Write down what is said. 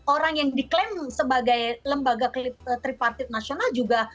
orang yang diklaim sebagai lembaga tripartit nasional juga